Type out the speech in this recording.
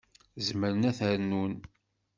Zemren ad ten-rnun.